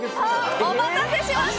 お待たせしました！